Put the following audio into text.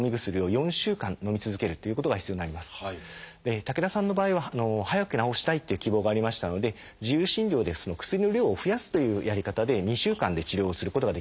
武田さんの場合は早く治したいっていう希望がありましたので自由診療で薬の量を増やすというやり方で２週間で治療をすることができました。